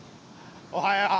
おはよう。